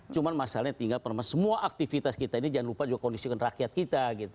cuma masalahnya tinggal semua aktivitas kita ini jangan lupa juga kondisikan rakyat kita gitu